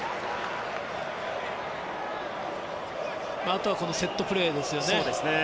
あとはセットプレーですね。